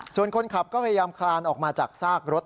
ส่วนคนขับก็พยายามคลานออกมาจากซากรถ